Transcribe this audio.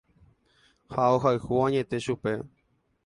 Ha ohayhu añete chupe.